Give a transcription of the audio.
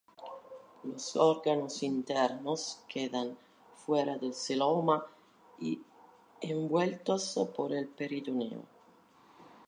Los órganos internos quedan fuera del celoma y envueltos por el peritoneo.